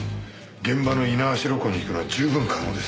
現場の猪苗代湖に行くのは十分可能です。